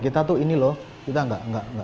kita tuh ini loh kita enggak